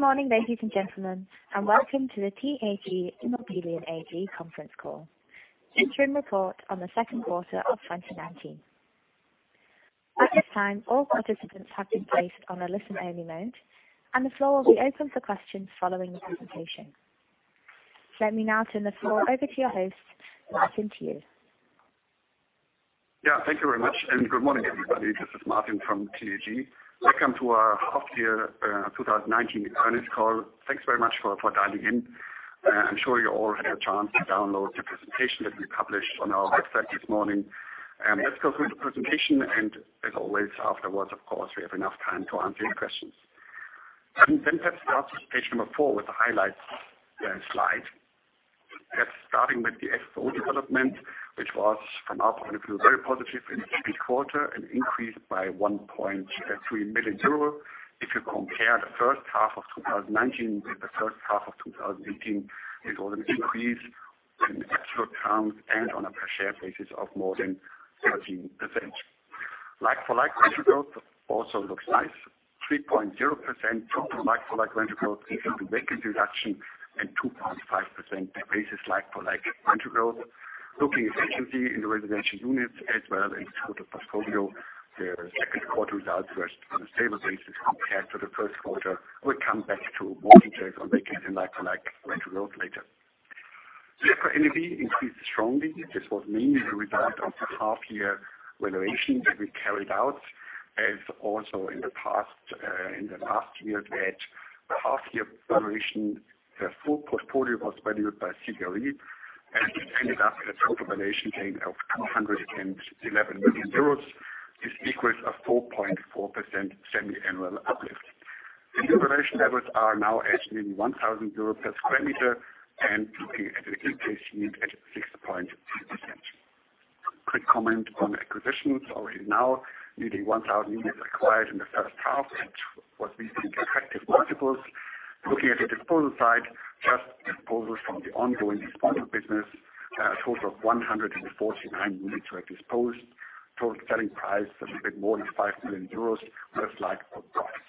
Good morning, ladies and gentlemen, and welcome to the TAG Immobilien AG conference call. Interim report on the second quarter of 2019. At this time, all participants have been placed on a listen-only mode, and the floor will be open for questions following the presentation. Let me now turn the floor over to your host. Martin, to you. Yeah. Thank you very much. Good morning, everybody. This is Martin from TAG. Welcome to our half year 2019 earnings call. Thanks very much for dialing in. I'm sure you all had a chance to download the presentation that we published on our website this morning. Let's go through the presentation. As always, afterwards, of course, we have enough time to answer your questions. Let's start with page number four with the highlights slide. Starting with the FFO development, which was, from our point of view, very positive in the second quarter and increased by 1.3 million euros. If you compare the first half of 2019 with the first half of 2018, it was an increase in absolute terms and on a per share basis of more than 13%. Like-for-like rental growth also looks nice. 3.0% total like-for-like rental growth due to vacancy reduction and 2.5% basis like-for-like rental growth. Looking at occupancy in the residential units as well as total portfolio, the second quarter results were on a stable basis compared to the first quarter. We'll come back to more details on vacancy and like-for-like rental growth later. The NAV increased strongly. This was mainly the result of the half-year valuation that we carried out, as also in the past. In the last year, we had the half-year valuation. The full portfolio was valued by CBRE, and we ended up with a total valuation gain of 211 million euros. This equals a 4.4% semi-annual uplift. The valuation levels are now at nearly 1,000 euros per sq m and looking at an increase at 6.2%. Quick comment on acquisitions. Already now, nearly 1,000 units acquired in the first half at what we think are attractive multiples. Looking at the disposal side, just disposals from the ongoing disposal business. A total of 149 units were disposed. Total selling price, a little bit more than 5 million euros. Most like for profit.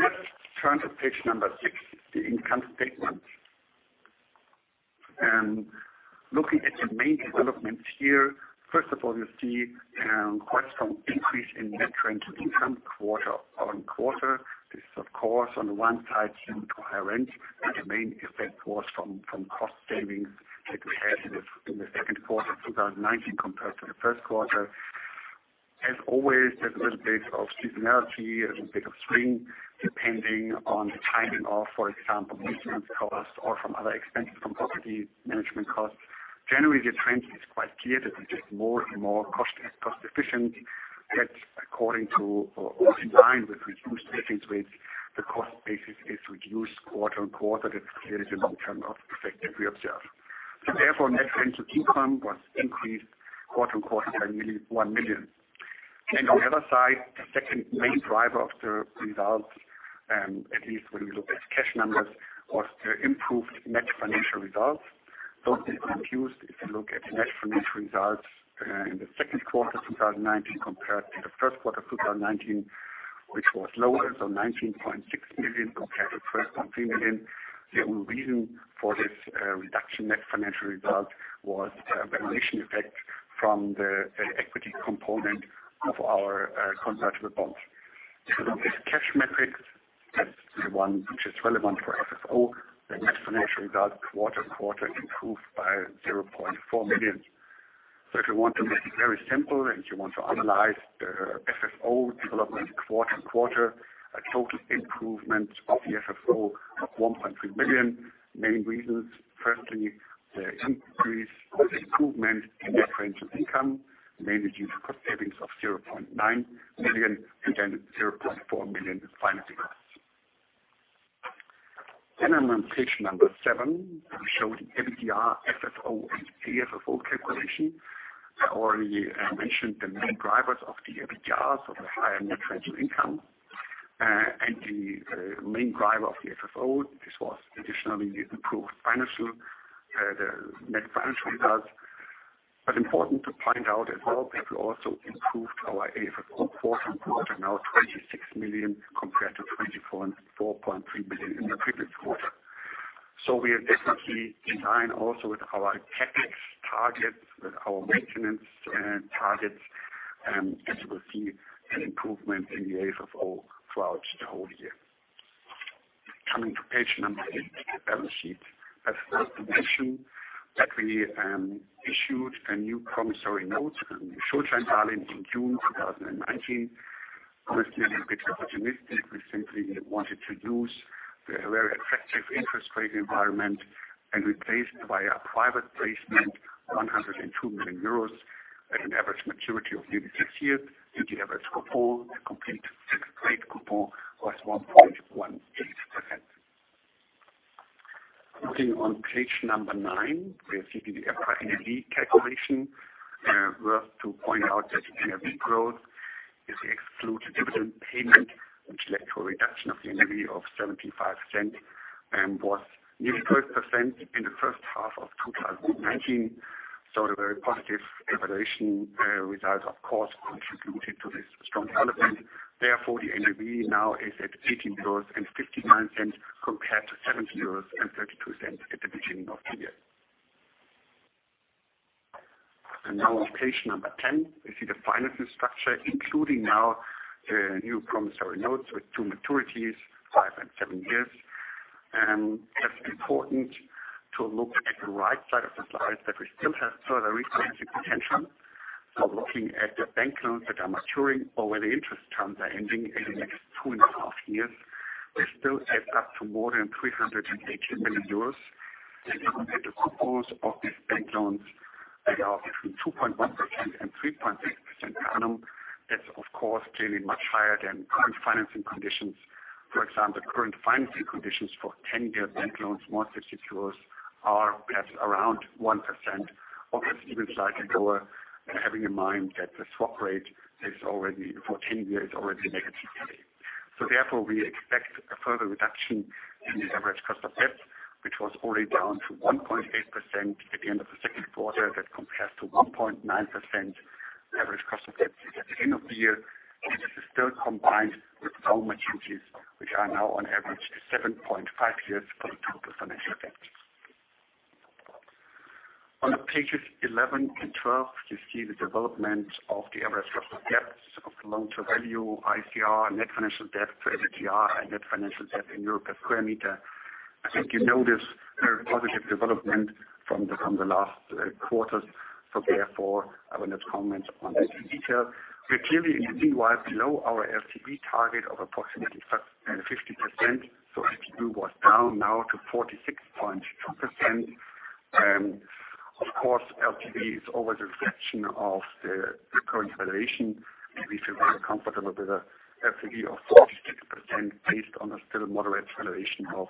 Let's turn to page number six, the income statement. Looking at the main developments here, first of all, you see quite some increase in net rental income quarter-over-quarter. This is, of course, on the one side due to higher rent, but the main effect was from cost savings that we had in the second quarter of 2019 compared to the first quarter. As always, there's a little bit of seasonality, a little bit of swing, depending on the timing of, for example, insurance costs or from other expenses from property management costs. Generally, the trend is quite clear that we get more and more cost-efficient. That according to, or in line with reduced vacancy rates, the cost basis is reduced quarter-on-quarter. That's clearly the long-term cost perspective we observe. Therefore, net rental income was increased quarter-on-quarter by nearly 1 million. On the other side, the second main driver of the results, at least when you look at cash numbers, was the improved net financial results. Those have been reduced if you look at the net financial results in the second quarter 2019 compared to the first quarter 2019, which was lower. 19.6 million compared to 12.3 million. The only reason for this reduction net financial result was a valuation effect from the equity component of our convertible bonds. If you look at cash metrics, that's the one which is relevant for FFO, the net financial result quarter-on-quarter improved by 0.4 million. If you want to make it very simple and you want to analyze the FFO development quarter-on-quarter, a total improvement of the FFO of 1.3 million. Main reasons, firstly, the increase or the improvement in net financial income, mainly due to cost savings of 0.9 million and then 0.4 million financing costs. I'm on page number seven. We show the EBITDA, FFO, and AFFO calculation. I already mentioned the main drivers of the EBITDA, so the higher net financial income. The main driver of the FFO, this was additionally the improved net financial results. Important to point out as well that we also improved our AFFO quarter-on-quarter, now 26 million compared to 24.3 million in the previous quarter. We are definitely in line also with our CapEx targets, with our maintenance targets, and as you will see, an improvement in the AFFO throughout the whole year. Coming to page number 8, the balance sheet. I have to mention that we issued a new promissory note, a new Schuldscheindarlehen in June 2019. Honestly, a little bit opportunistic. We simply wanted to use the very attractive interest rate environment and replaced via private placement, 102 million euros with an average maturity of nearly 6 years. UT average coupon, the complete fixed rate coupon was 1.18%. Looking on page number 9, we are seeing the NAV calculation. Worth to point out that the NAV growth, if we exclude the dividend payment, which led to a reduction of the NAV of 0.75 and was nearly 4% in the first half of 2019. The very positive evaluation results, of course, contributed to this strong development. Therefore, the NAV now is at 18.59 euros compared to 17.32 euros at the beginning of the year. On page number 10, we see the financing structure, including now new promissory notes with two maturities, five and seven years. It's important to look at the right side of the slide, that we still have further refinancing potential. Looking at the bank loans that are maturing or where the interest terms are ending in the next two and a half years, they still add up to more than 380 million euros. If you look at the composition of these bank loans, they are between 2.1% and 3.6% per annum. That's, of course, clearly much higher than current financing conditions. For example, current financing conditions for 10-year bank loans, more secured, are perhaps around 1% or perhaps even slightly lower, having in mind that the swap rate for 10 years is already negative today. Therefore, we expect a further reduction in the average cost of debt, which was already down to 1.8% at the end of the second quarter. That compares to 1.9% average cost of debt at the end of the year. This is still combined with loan maturities, which are now on average 7.5 years for the two financial debts. On pages 11 and 12, you see the development of the average cost of debts, of the loan-to-value, ICR, net financial debt to EVTR, and net financial debt in EUR per sq m. I think you know this very positive development from the last quarters. Therefore, I will not comment on that in detail. We are clearly, you see, well below our LTV target of approximately 50%. LTV was down now to 46.2%. Of course, LTV is always a reflection of the current valuation. We feel very comfortable with an LTV of 46% based on a still moderate valuation of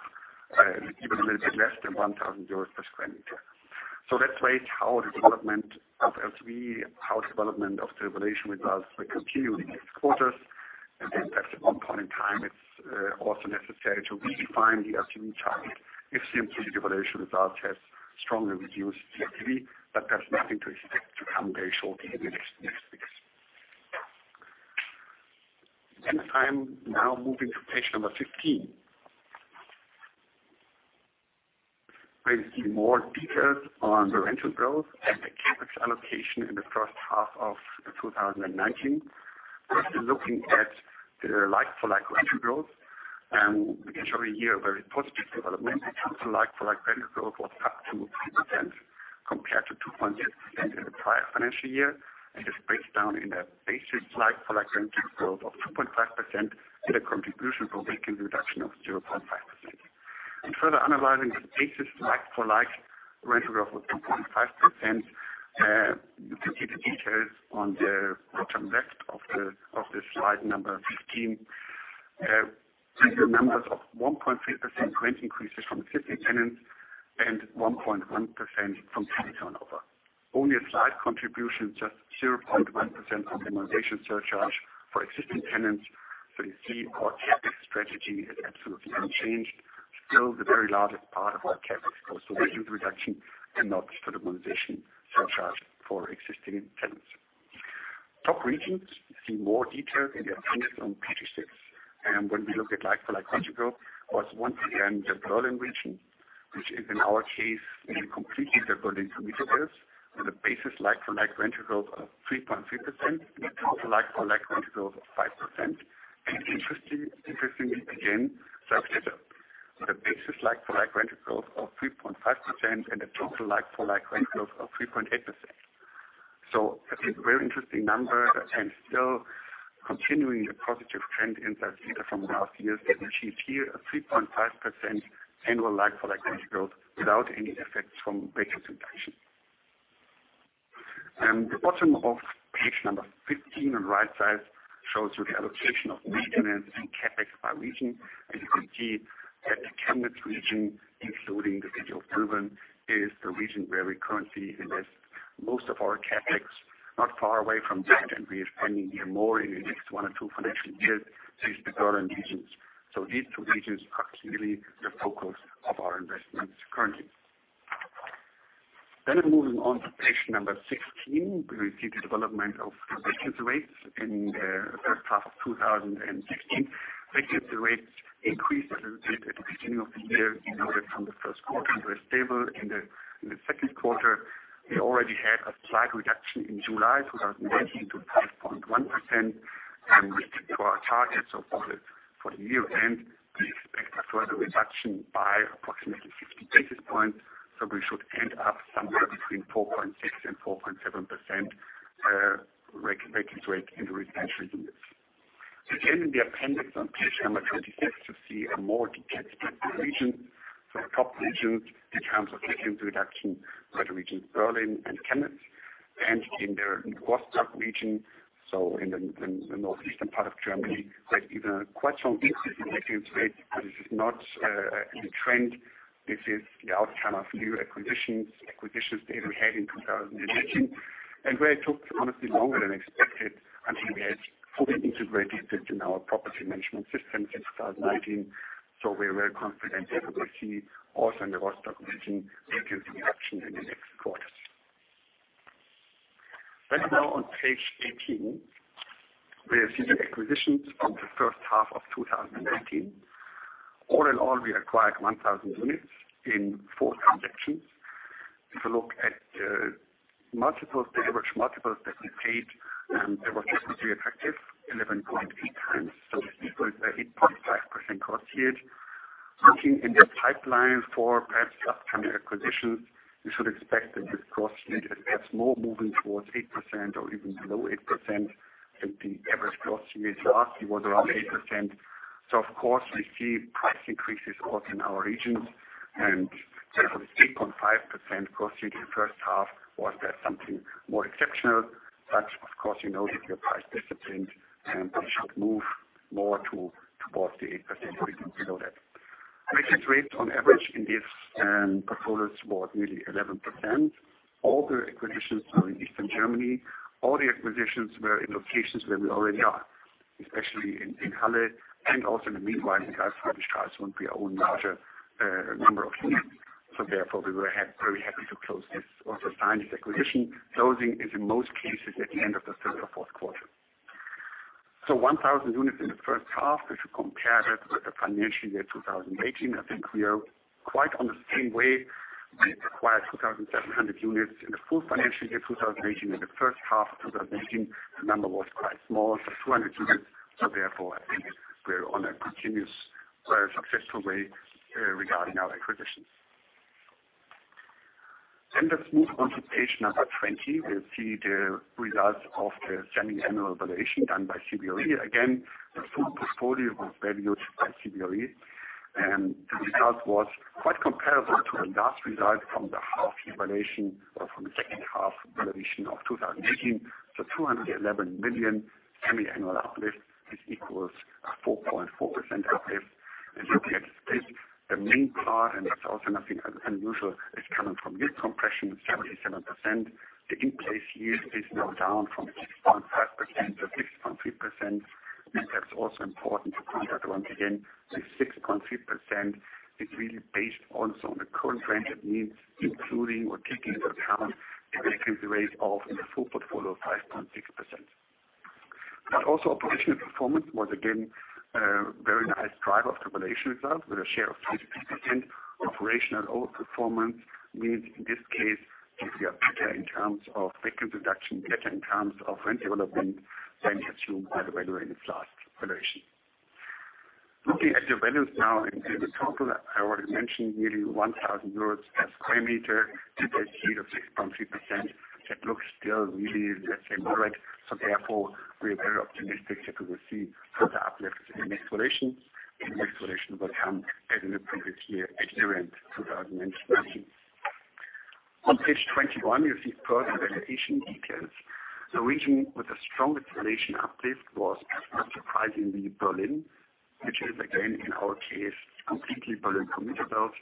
even a little bit less than 1,000 euros per sq m. Let's wait how the development of LTV, how the development of the valuation results will continue in the next quarters. At one point in time, it's also necessary to redefine the LTV target if simply the valuation result has strongly reduced the LTV, but there's nothing to expect to come very shortly in the next weeks. I'm now moving to page number 15. Where you see more details on the rental growth and the CapEx allocation in the first half of 2019. First, looking at the like-for-like rental growth. Again, show a year very positive development in terms of like-for-like rental growth was up 2% compared to 2.8% in the prior financial year, and is based down in a basic like-for-like rental growth of 2.5% and a contribution from vacant reduction of 0.5%. In further analyzing the basic like-for-like rental growth of 2.5%, you can see the details on the bottom left of the slide number 15. Single numbers of 1.3% rent increases from existing tenants and 1.1% from tenant turnover. Only a slight contribution, just 0.1% modernization surcharge for existing tenants. You see our CapEx strategy has absolutely unchanged. Still the very largest part of our CapEx was the rent reduction and not for the modernization surcharge for existing tenants. Top regions, you see more detail in the appendix on page 6. When we look at like-for-like rental growth, was once again the Berlin region, which is in our case in completely the Berlin with a basis like-for-like rental growth of 3.3% and a total like-for-like rental growth of 5%. Interestingly, again, with a basis like-for-like rental growth of 3.5% and a total like-for-like rental growth of 3.8%. A very interesting number and still continuing the positive trend in that data from last year. We achieved here a 3.5% annual like-for-like rental growth without any effects from vacancy reduction. The bottom of page number 15 on the right side shows you the allocation of maintenance and CapEx by region, and you can see that the Chemnitz region, including the city of Plauen, is the region where we currently invest most of our CapEx. Not far away from that, and we are planning here more in the next one or two financial years, is the Berlin regions. These two regions are clearly the focus of our investments currently. Moving on to page number 16. We see the development of the vacancy rates in the first half of 2016. Vacancy rates increased a little bit at the beginning of the year. You know that from the first quarter they were stable. In the second quarter, we already had a slight reduction in July 2019 to 5.1%. With regard to our targets so for the year end, we expect a further reduction by approximately 50 basis points. We should end up somewhere between 4.6% and 4.7% vacancy rate in the residential units. Again, in the appendix on page number 26, you see a more detailed picture per region. The top regions in terms of vacancy reduction were the regions Berlin and Chemnitz, and in the Rostock region, so in the northeastern part of Germany, there is even a quite strong increase in vacancy rate, but this is not the trend. This is the outcome of new acquisitions that we had in 2019. Where it took, honestly, longer than expected until we had fully integrated it in our property management system since 2019. We're very confident that we will see also in the Rostock region, increased action in the next quarters. Now on page 18, we see the acquisitions from the first half of 2019. All in all, we acquired 1,000 units in four transactions. If you look at the average multiples that we paid, and it was effectively 11.8x. This equals a 8.5% cost yield. Looking in the pipeline for perhaps upcoming acquisitions, we should expect that this cost yield is perhaps more moving towards 8% or even below 8%, and the average cost yield last year was around 8%. Of course, we see price increases also in our regions, and there was 8.5% cost yield in the first half. Was that something more exceptional? Of course, you know that we are price disciplined, and we should move more towards the 8% or even below that. Vacancy rate on average in this portfolio was really 11%. All the acquisitions were in Eastern Germany. All the acquisitions were in locations where we already are, especially in Halle and also in the meantime, in Karl-Marx-Stadt, where we own a larger number of units. Therefore, we were very happy to close this. Also, we signed this acquisition. Closing is in most cases at the end of the third or fourth quarter. 1,000 units in the first half. If you compare that with the financial year 2018, I think we are quite on the same way. We acquired 2,700 units in the full financial year 2018. In the first half of 2018, the number was quite small, 200 units. Therefore, I think we're on a continuous successful way regarding our acquisitions. Let's move on to page number 20. We'll see the results of the semi-annual valuation done by CBRE. Again, the full portfolio was valued by CBRE, and the result was quite comparable to the last result from the half-year valuation or from the second half valuation of 2018. 211 million semi-annual uplift. This equals a 4.4% uplift. Looking at this, the main part, and that's also nothing unusual, is coming from yield compression, 77%. The in-place yield is now down from 6.5% to 6.3%, and that's also important to point out once again, the 6.3% is really based also on the current rented means, including or taking into account a vacancy rate of, in the full portfolio, 5.6%. Also operational performance was again a very nice driver of the valuation result with a share of 3.2%. Operational outperformance means in this case, we are better in terms of vacancy reduction, better in terms of rent development than assumed by the valuers last valuation. Looking at the values now in the total, I already mentioned nearly 1,000 euros per sq m, in-place yield of 6.3%. That looks still really moderate. Therefore, we are very optimistic that we will see further uplift in next valuation. Next valuation will come as in the previous year at year-end 2019. On page 21, you see further valuation details. The region with the strongest valuation uplift was, not surprisingly, Berlin, which is again in our case, completely Berlin commuter belt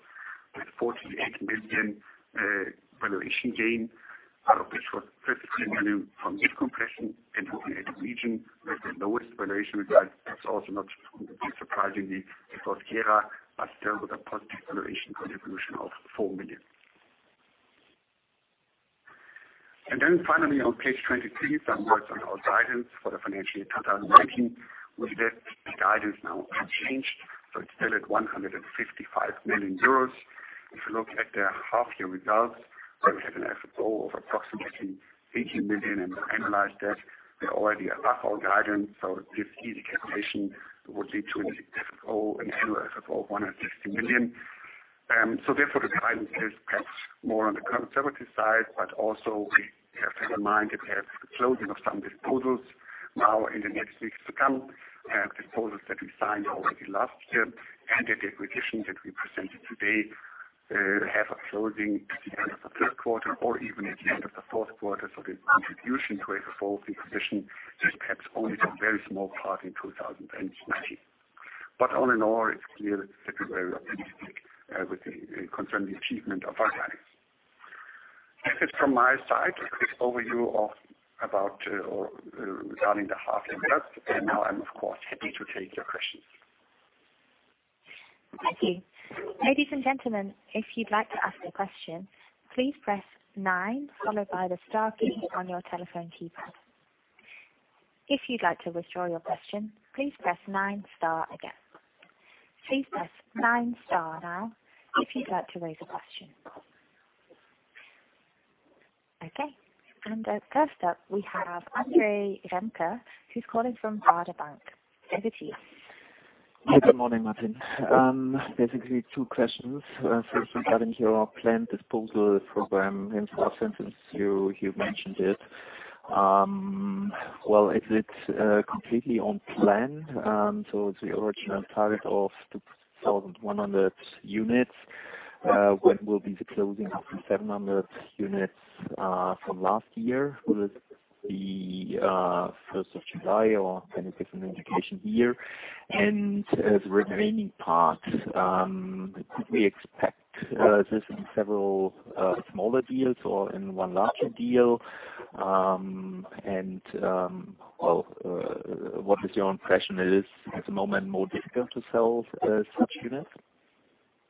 with 48 million valuation gain. This was specifically mainly from yield compression and the Berlin region with the lowest valuation result. That's also not surprisingly, because Gera, but still with a positive valuation contribution of 4 million. Finally on page 23, some words on our guidance for the financial year 2019. With that, the guidance now unchanged, it's still at 155 million euros. If you look at the half year results, we have an FFO of approximately 18 million, we annualize that. We're already above our guidance, this easy calculation would lead to an FFO, an annual FFO of 160 million. Therefore the guidance is perhaps more on the conservative side, but also we have to have in mind that we have the closing of some disposals now in the next weeks to come. Disposals that we signed already last year and at the acquisition that we presented today, have a closing at the end of the third quarter or even at the end of the fourth quarter. The contribution to FFO of the acquisition is perhaps only a very small part in 2019. All in all, it's clear that we are very optimistic concerning the achievement of our guidance. That's it from my side. A quick overview regarding the half-year results. Now I'm of course happy to take your questions. Thank you. Ladies and gentlemen, if you'd like to ask a question, please press Nine followed by the Star key on your telephone keypad. If you'd like to withdraw your question, please press Nine Star again. Please press Nine Star now if you'd like to raise a question. Okay. First up, we have Andre Remke, who's calling from Baader Bank. Over to you. Good morning, Martin. Two questions. Regarding your planned disposal program in South Central, you mentioned it. Is it completely on plan? The original target of 2,100 units, when will be the closing of the 700 units from last year? Will it be the 1st of July or kind of different indication here? The remaining part, could we expect this in several smaller deals or in one larger deal? What is your impression? It is at the moment more difficult to sell such units?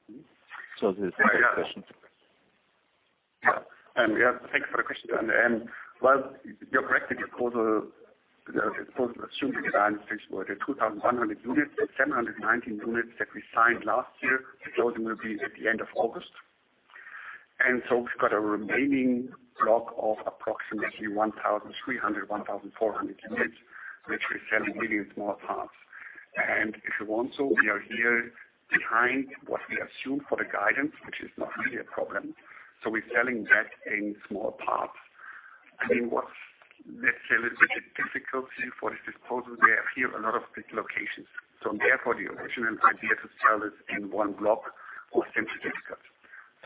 These are the questions. Yeah. Thanks for the question. Well, you're correct. The disposal assumed the guidance fixed were the 2,100 units. The 719 units that we signed last year, the closing will be at the end of August. We've got a remaining block of approximately 1,300, 1,400 units, which we're selling really in small parts. If you want so, we are here behind what we assume for the guidance, which is not really a problem. We're selling that in small parts. Let's say a little bit difficulty for this disposal. We have here a lot of big locations. Therefore the original idea to sell this in one block was simply difficult.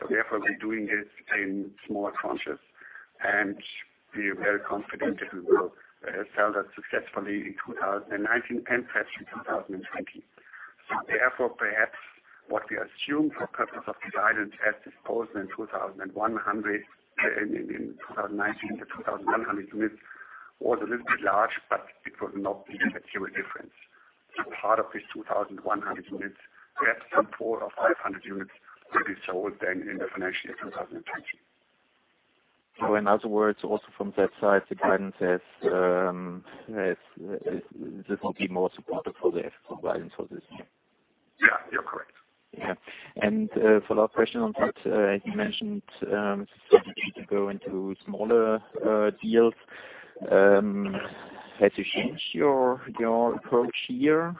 Therefore we're doing this in small tranches, and we are very confident that we will sell that successfully in 2019 and perhaps in 2020. Therefore perhaps what we assume for purpose of guidance as disposal in 2019, the 2,100 units was a little bit large, but it would not be a material difference. Part of these 2,100 units, perhaps some four or 500 units will be sold then in the financial year 2020. In other words, also from that side, this will be more supportive for the guidance for this year. Yeah. You're correct. Yeah. A follow-up question on that. You mentioned you need to go into smaller deals. Has you changed your approach here?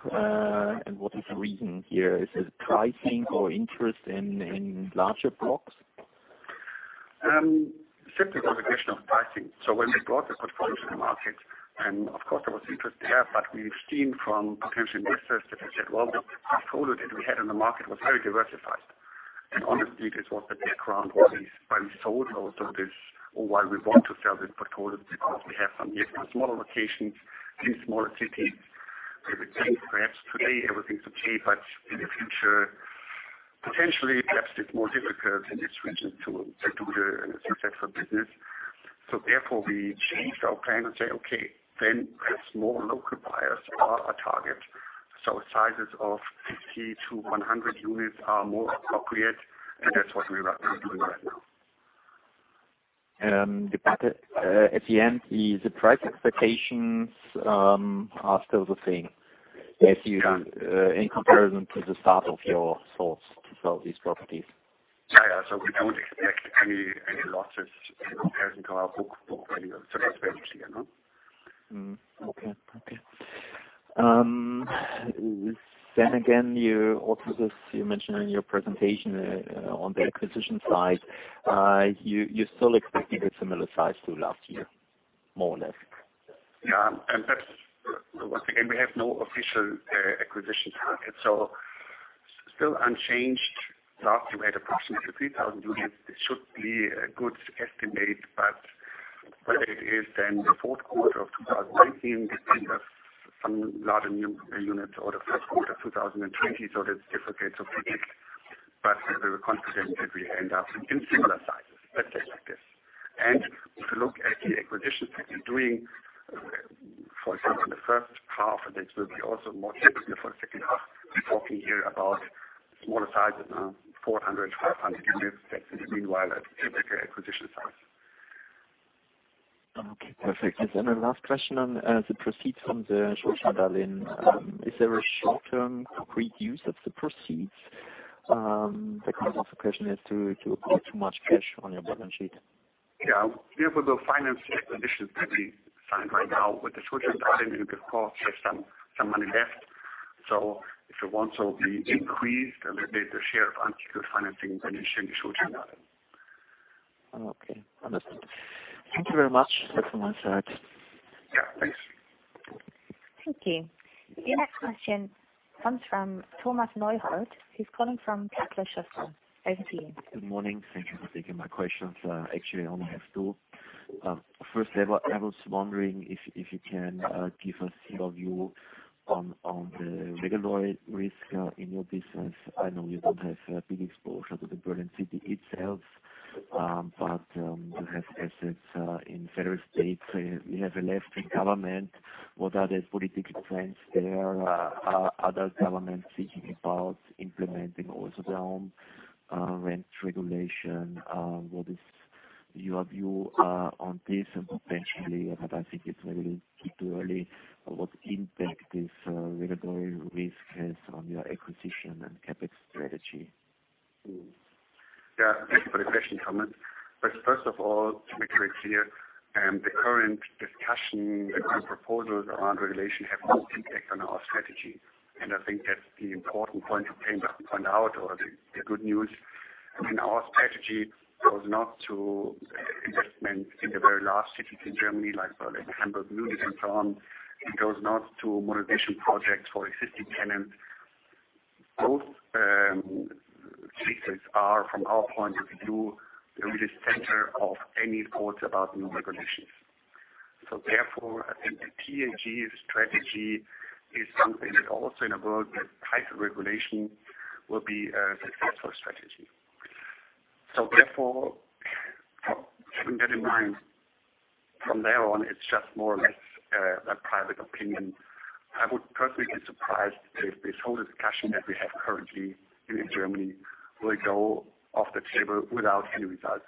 What is the reason here? Is it pricing or interest in larger blocks? Simply a question of pricing. When we brought the portfolio to the market, of course there was interest there, we've seen from potential investors that they said, well, the portfolio that we had in the market was very diversified. Honestly, this was the background why we sold also this or why we want to sell this portfolio because we have some smaller locations in smaller cities where we think perhaps today everything's okay, but in the future, potentially, perhaps it's more difficult in this region to do the successful business. Therefore, we changed our plan and say, okay, perhaps more local buyers are our target. Sizes of 50 to 100 units are more appropriate, and that's what we're doing right now. At the end, the price expectations are still the same. Yeah. In comparison to the start of your thoughts to sell these properties. Yeah. We don't expect any losses compared to our book value. That's very clear, no? Okay. Again, you also mentioned in your presentation on the acquisition side, you are still expecting a similar size to last year, more or less. Yeah. That's, once again, we have no official acquisition target. Still unchanged. Last year we had approximately 3,000 units. This should be a good estimate. Whether it is then the fourth quarter of 2019 with some larger units or the first quarter of 2020, that's difficult to predict. We are confident that we end up in similar sizes. Let's say it like this. If you look at the acquisitions that we're doing, for example, the first half, this will be also more typical. For example, we are talking here about smaller sizes now, 400, 500 units. That's in the meanwhile a typical acquisition size. Okay, perfect. Yes, last question on the proceeds from the Schuldscheindarlehen. Is there a short-term concrete use of the proceeds? The concept of the question is to acquire too much cash on your balance sheet. Yeah. Therefore, the finance acquisition that we signed right now with the Sozialen Berlin, and of course, there's some money left. If you want so, we increased a little bit the share of unsecured financing by initiating Sozialen Berlin. Okay. Understood. Thank you very much. That's from my side. Yeah. Thanks. Thank you. Your next question comes from Thomas Neuhold, who's calling from. Over to you. Good morning. Thank you for taking my questions. Actually I only have two. First, I was wondering if you can give us your view on the regulatory risk in your business. I know you don't have a big exposure to the Berlin city itself, but you have assets in federal state. You have a left-wing government. What are the political trends there? Are those governments thinking about implementing also their own rent regulation? What is your view on this and potentially, but I think it's maybe a little too early, what impact this regulatory risk has on your acquisition and CapEx strategy? Yeah. Thank you for the question, Thomas. First of all, to make very clear, the current discussion and current proposals around regulation have no impact on our strategy. I think that's the important point to find out or the good news. I mean, our strategy was not to investment in the very large cities in Germany, like Berlin, Hamburg, Munich, and so on. It goes not to modernization projects for existing tenants. Both are from our point of view, really the center of any thoughts about new regulations. Therefore, a TAG strategy is something that also in a world with tighter regulation will be a successful strategy. Therefore, keeping that in mind, from there on, it's just more or less a private opinion. I would personally be surprised if this whole discussion that we have currently in Germany will go off the table without any results.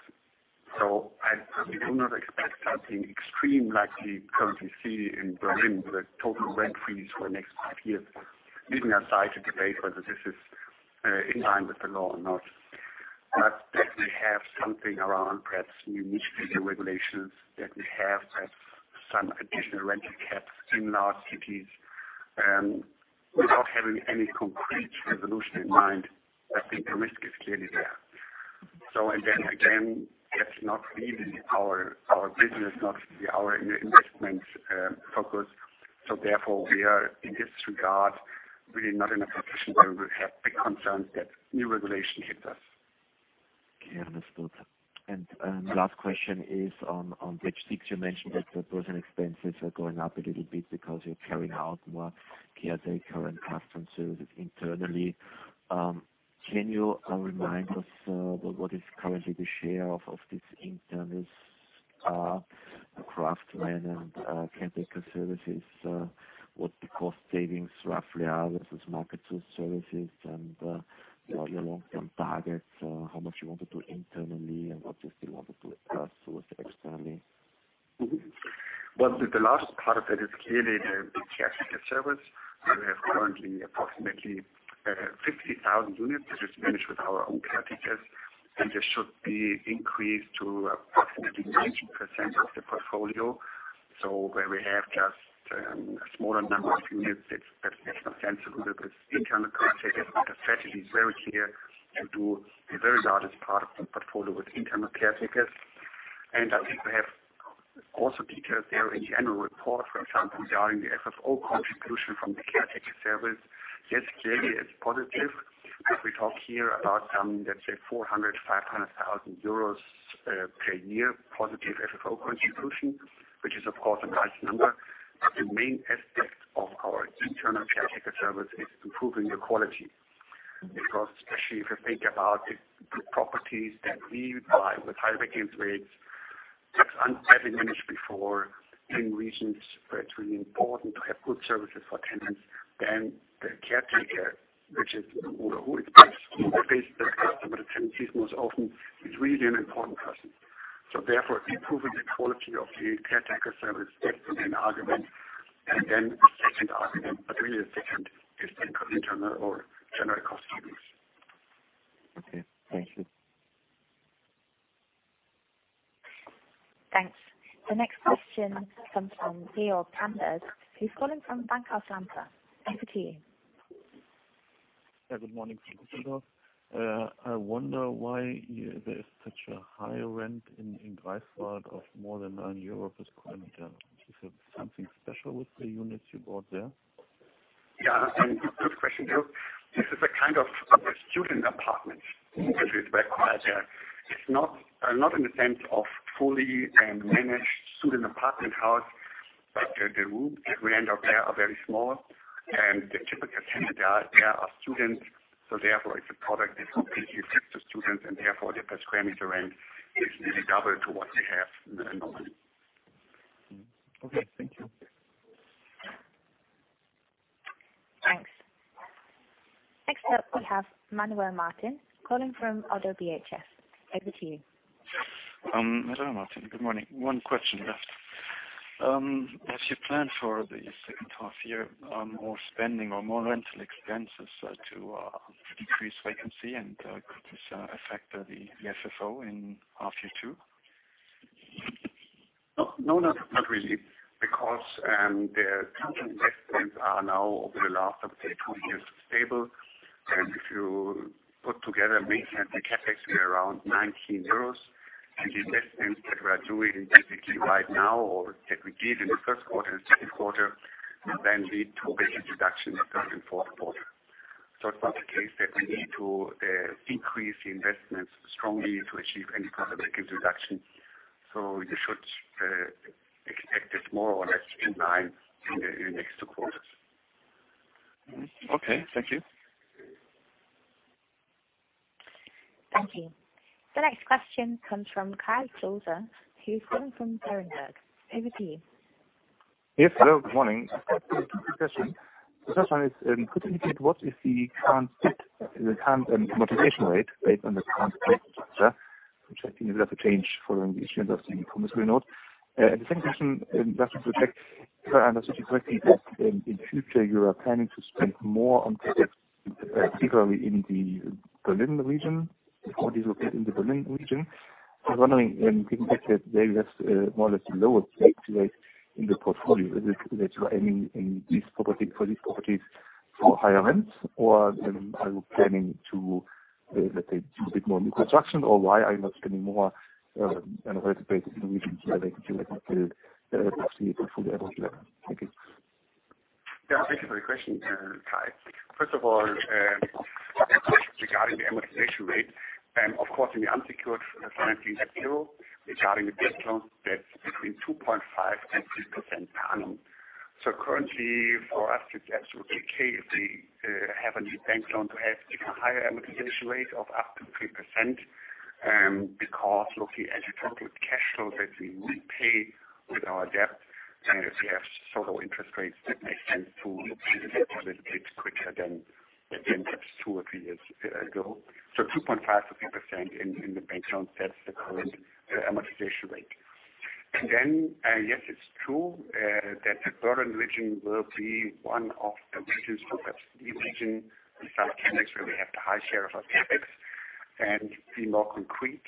I personally would not expect something extreme like we currently see in Berlin, with a total rent freeze for the next five years. Leaving aside the debate whether this is in line with the law or not. That we have something around, perhaps new municipal regulations, that we have perhaps some additional rent caps in large cities. Without having any concrete resolution in mind, I think the risk is clearly there. And then again, that's not really our business, not really our investment focus. Therefore, we are, in this regard, really not in a position where we have big concerns that new regulation hits us. Okay, understood. Last question is on page six, you mentioned that the personal expenses are going up a little bit because you're carrying out more caretaker and craftsman services internally. Can you remind us what is currently the share of these internal craftsmen and caretaker services? What the cost savings roughly are versus market source services and what are your long-term targets? How much you want to do internally, and what do you still want to outsource externally? Well, the last part of it is clearly the caretaker service. We have currently approximately 50,000 units, which is managed with our own caretakers, and this should be increased to approximately 90% of the portfolio. Where we have just a smaller number of units, that it makes no sense to do this with internal caretakers, but the strategy is very clear to do the very largest part of the portfolio with internal caretakers. I think we have also details there in the annual report. For example, regarding the FFO contribution from the caretaker service. Yes, clearly it's positive. If we talk here about, let's say 400,000, 500,000 euros per year positive FFO contribution, which is of course a nice number. The main aspect of our internal caretaker service is improving the quality. Especially if you think about the properties that we buy with higher vacancy rates, that have been managed before in regions where it's really important to have good services for tenants, then the caretaker, who is basically the person that the tenant sees most often, is really an important person. Therefore, improving the quality of the caretaker service, that's the main argument. Then the second argument, but really the second, is the internal or general cost savings. Okay, thank you. Thanks. The next question comes from Georg Bamberger, who's calling from Bank of America. Over to you. Yeah, good morning. I wonder why there is such a high rent in Greifswald of more than 9 euros per square meter. Is it something special with the units you bought there? Good question, Georg. This is a kind of student apartment, which is required there. It's not in the sense of fully managed student apartment house, but the rooms that we end up there are very small, and the typical tenant there are students. Therefore, it's a product that completely fits the students, and therefore the per square meter rent is nearly double to what we have normally. Okay, thank you. Thanks. Next up, we have Manuel Martin, calling from ODDO BHF. Over to you. Manuel Martin. Good morning. One question, Martin. As you plan for the second half year, more spending or more rental expenses to decrease vacancy and could this affect the FFO in half year two? No, not really. The investment are now over the last, I would say, 2 years stable. If you put together maintenance and CapEx, we are around 19 euros. The investments that we are doing basically right now or that we did in the first quarter and second quarter will then lead to vacancy reduction in the third and fourth quarter. It's not the case that we need to increase the investments strongly to achieve any kind of vacancy reduction. You should expect it more or less in line in the next 2 quarters. Okay, thank you. Thank you. The next question comes from Kai Klose, who's calling from Berenberg. Over to you. Yes, hello, good morning. Two questions. The first one is, could you indicate what is the current modernization rate based on the current rate structure, which I think will have to change following the issuance of the promissory note? The second question, if I understood you correctly, that in future you are planning to spend more on particularly in the Berlin region. I was wondering, given the fact that there you have more or less the lowest vacancy rate in the portfolio, that you are aiming for these properties for higher rents? Are you planning to, let's say, do a bit more new construction? Why are you not spending more on a rent basis in regions where the vacancy rate is actually fully available? Thank you. Thank you for the question, Kai Klose. First of all, regarding the amortization rate, of course, in the unsecured financing that's zero. Regarding the bank loans, that's between 2.5% and 3% per annum. Currently, for us, it's absolutely okay if we have a new bank loan to have even a higher amortization rate of up to 3%, because, look, as you talked with cash flows that we repay with our debt, and if we have zero interest rates, it makes sense to pay a little bit quicker than perhaps two or three years ago. 2.5% to 3% in the bank loans, that's the current amortization rate. Yes, it's true that the Berlin region will be one of the regions, perhaps the region in South Central, where we have the high share of our CapEx and be more concrete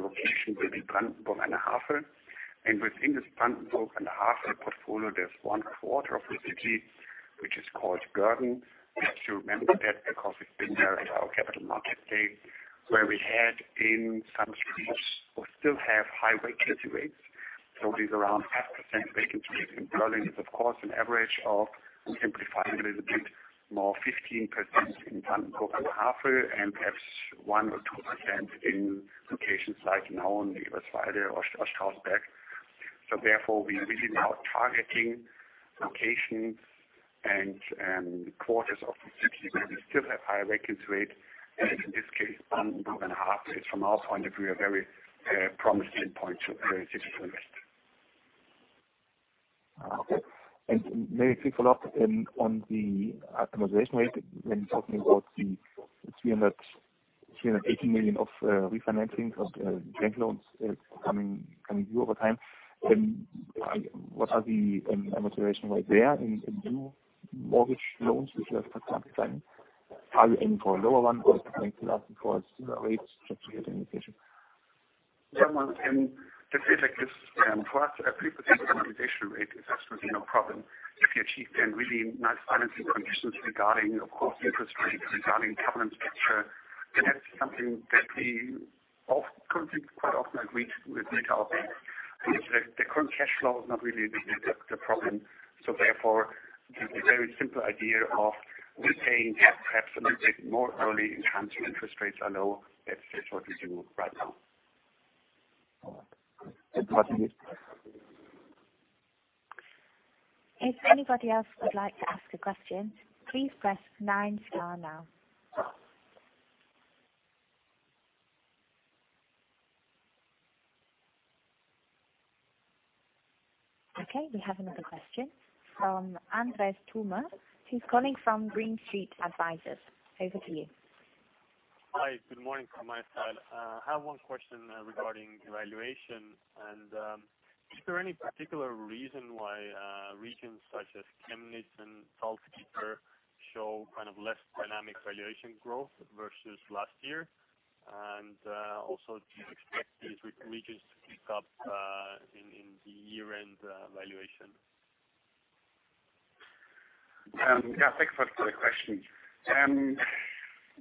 location will be Brandenburg an der Havel. Within this Brandenburg an der Havel portfolio, there's one quarter of the city, which is called Görden. Perhaps you remember that because we've been there at our capital market day, where we had in some streets, or still have high vacancy rates. It is around 10% vacancy rates in Berlin. It's of course, an average of, simplifying a little bit more, 15% in Brandenburg an der Havel, and perhaps 1% or 2% in locations like now in Eberswalde or Strausberg. Therefore, we really now targeting locations and quarters of the city where we still have high vacancy rate. In this case, Brandenburg an der Havel is from our point of view, a very promising point to invest. Okay. Maybe a quick follow-up on the amortization rate. When you're talking about the 380 million of refinancing of bank loans coming due over time, what are the amortization rate there in new mortgage loans, which you have planned? Are you aiming for a lower one or is it going to be up because rates just to get an indication? Yeah, let's say it like this. For us, a 3% amortization rate is absolutely no problem if we achieve then really nice financing conditions regarding, of course, interest rates, regarding covenant structure. That's something that we quite often agreed with retail banks. The current cash flow is not really the problem. Therefore, the very simple idea of repaying perhaps a little bit more early in times of interest rates are low, that's what we do right now. All right. That's it. If anybody else would like to ask a question, please press nine star now. Okay, we have another question from Andres Toome. He's calling from Green Street Advisors. Over to you. Hi. Good morning from my side. I have one question regarding valuation. Is there any particular reason why regions such as Chemnitz and Salzgitter show less dynamic valuation growth versus last year? Also, do you expect these regions to pick up in the year-end valuation? Yeah. Thanks a lot for the question.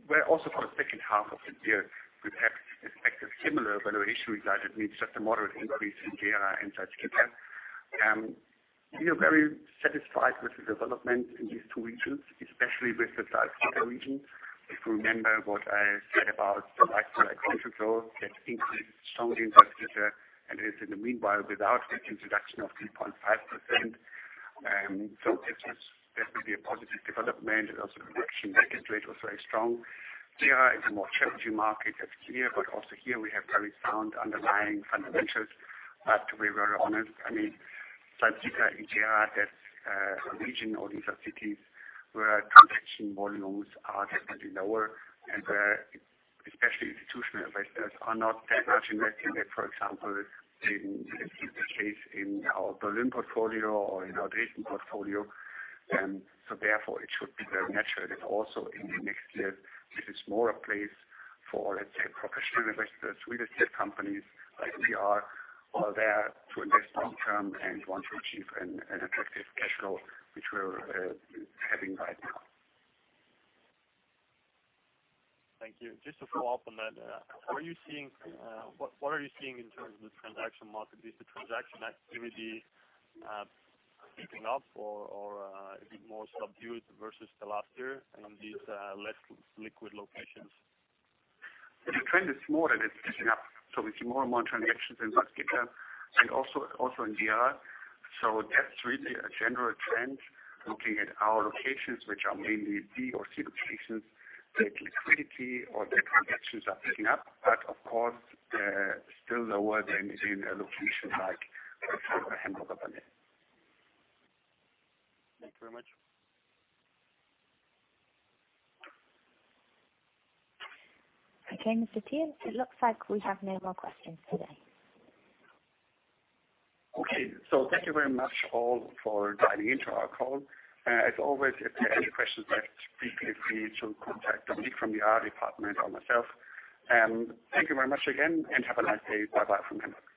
Well, also for the second half of the year, we have expected similar valuation guidance. It means just a moderate increase in Gera and Salzgitter. We are very satisfied with the development in these two regions, especially with the Salzgitter region. If you remember what I said about the micro-accidental growth that increased strongly in Salzgitter and is in the meanwhile without this introduction of 3.5%. This was definitely a positive development and also the collection vacancy rate was very strong. Gera is a more challenging market as here, but also here we have very sound underlying fundamentals. To be very honest, Salzgitter and Gera, that's a region or these are cities where transaction volumes are definitely lower and where, especially institutional investors are not that much invested there. For example, this is the case in our Berlin portfolio or in our Dresden portfolio. Therefore, it should be very natural that also in the next years, this is more a place for, let's say, professional investors, real estate companies like we are there to invest long-term and want to achieve an attractive cash flow, which we're having right now. Thank you. Just to follow up on that, what are you seeing in terms of the transaction market? Is the transaction activity picking up or a bit more subdued versus the last year in these less liquid locations? The trend is more that it's picking up. We see more and more transactions in Salzgitter and also in Gera. That's really a general trend looking at our locations, which are mainly B or C locations, that liquidity or that transactions are picking up, but of course, they're still lower than in a location like Hamburg or Berlin. Thank you very much. Okay, Mr. Thiel, it looks like we have no more questions today. Okay. Thank you very much, all, for dialing into our call. As always, if you have any questions left, feel free to contact Dominique from the IR department or myself. Thank you very much again, and have a nice day. Bye-bye from Hamburg.